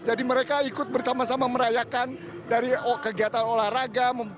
jadi mereka ikut bersama sama merayakan dari kegiatan olahraga